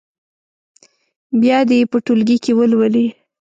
بیا دې یې په ټولګي کې ولولي.